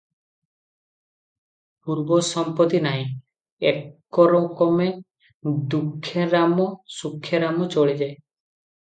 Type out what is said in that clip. ପୂର୍ବ ସମ୍ପତ୍ତି ନାହିଁ, ଏକରକମେ ଦୁଃଖେରାମ, ସୁଖେ ରାମ ଚଳିଯାଏ ।